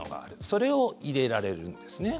それを入れられるんですね。